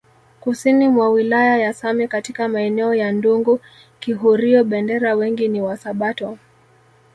Kusini mwa wilaya ya Same katika maeneo ya Ndungu Kihurio Bendera wengi ni wasabato